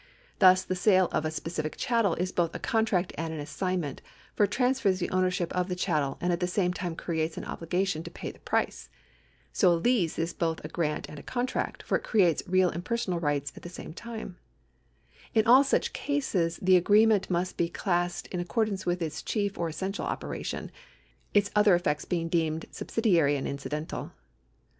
Thus the sale of a specific chattel is both a contract and an assignment, for it transfers the ownership of the chattel and at the same time creates an obligation to ])ay the price. So a lease is both a grant and a contract, for it creates real and personal rights at the same time. In all such cases the agree ment must be classed in accordance with its chief or essential operation, its other effects being deemed subsidiary and incidental.